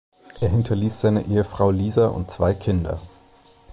Er hinterließ seine Ehefrau Lisa und zwei Kinder.